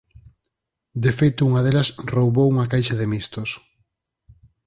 De feito unha delas roubou unha caixa de mistos...